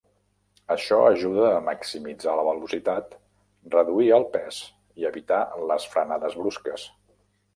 Això ajuda a maximitzar la velocitat, reduir el pes i evitar les frenades brusques.